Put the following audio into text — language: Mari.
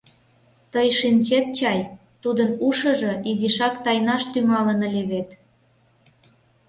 Тый шинчет чай, тудын ушыжо изишак тайнаш тӱҥалын ыле вет.